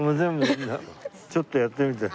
ちょっとやってみて。